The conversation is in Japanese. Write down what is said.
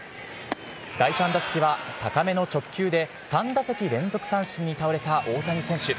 第３打席は高めの直球で３打席連続三振に倒れた大谷選手。